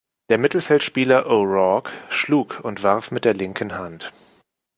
Der Mittelfeldspieler O'Rourke schlug und warf mit der linken Hand.